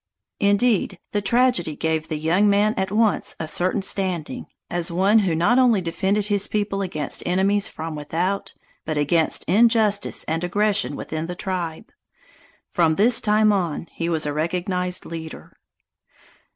Indeed, the tragedy gave the young man at once a certain standing, as one who not only defended his people against enemies from without, but against injustice and aggression within the tribe. From this time on he was a recognized leader.